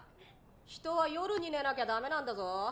人は夜に寝なきゃ駄目なんだぞ。